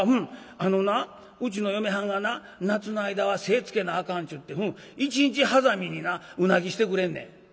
あのなうちの嫁はんがな夏の間は精つけなあかんっちゅって一日はざみになうなぎしてくれんねん」。